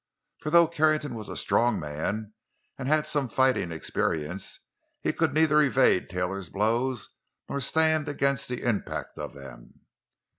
For though Carrington was a strong man and had had some fighting experience, he could neither evade Taylor's blows nor stand against the impact of them.